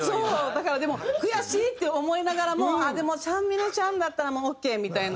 だからでも悔しいって思いながらもでもちゃんみなちゃんだったらもうオーケーみたいな。